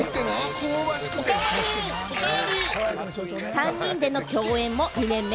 ３人での共演も２年目。